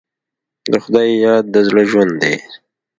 د خدای یاد د زړه ژوند دی.